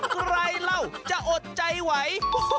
ใครเล่าจะอดใจไหว